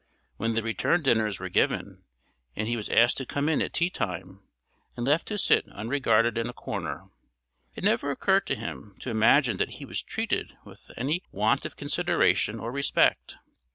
When the return dinners were given, and he was asked to come in at tea time, and left to sit unregarded in a corner, it never occurred to him to imagine that he was treated with any want of consideration or respect.